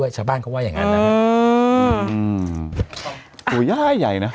แย่ใหญ่นะ